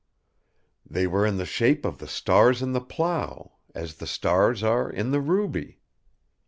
"'They were in the shape of the stars in the Plough, as the stars are in the ruby!